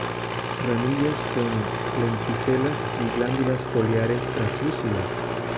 Ramillas con lenticelas, y glándulas foliares translúcidas.